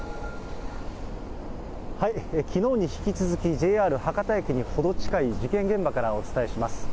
きのうに引き続き、ＪＲ博多駅にほど近い事件現場からお伝えします。